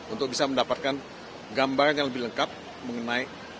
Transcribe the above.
untuk bisa mendapatkan gambaran yang lebih lengkap mengenai